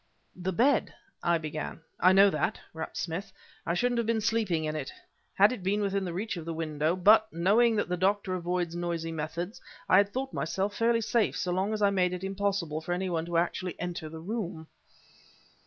"The bed," I began... "I know that," rapped Smith. "I shouldn't have been sleeping in it, had it been within reach of the window; but, knowing that the doctor avoids noisy methods, I had thought myself fairly safe so long as I made it impossible for any one actually to enter the room..."